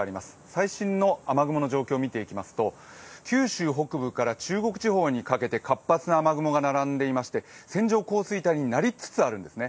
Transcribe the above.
最新の雨雲の状況を見ていきますと、九州北部から中国地方にかけて活発な雨雲が並んでいまして線状降水帯になりつつあるんですね。